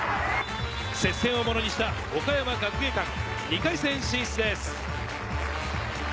接戦をものにした岡山学芸館、２回戦進出です。